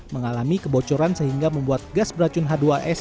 mengalami kebocoran sehingga membuat gas beracun h dua s